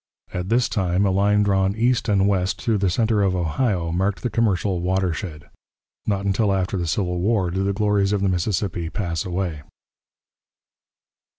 At this time a line drawn east and west through the centre of Ohio marked the commercial watershed. Not until after the Civil War did the glories of the Mississippi pass away.